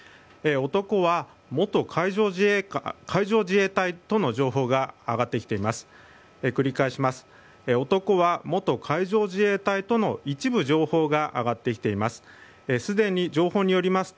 男は元海上自衛隊との情報が上がってきています。